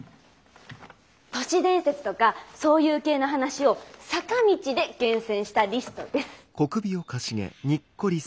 都市伝説とかそういう系の話を「坂道」で厳選したリストです。